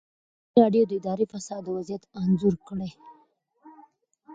ازادي راډیو د اداري فساد وضعیت انځور کړی.